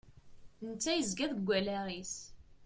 Netta yezga deg wallaɣ-is.